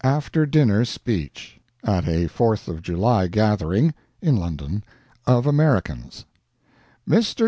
AFTER DINNER SPEECH [AT A FOURTH OF JULY GATHERING, IN LONDON, OF AMERICANS] MR.